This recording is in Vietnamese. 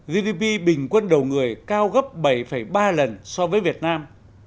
gdp bình quân đầu người cao gấp bảy ba lần so với việt nam